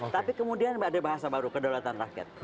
tapi kemudian ada bahasa baru kedaulatan rakyat